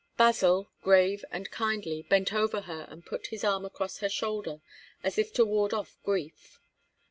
Basil, grave and kindly, bent over her and put his arm across her shoulder as if to ward off grief.